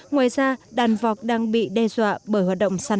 ngoài ra đàn vọc đang bị đe dọa bởi hoạt động sản